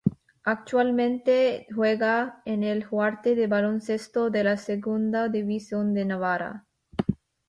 Actualmente juega en el Huarte de baloncesto de la segunda división de Navarra.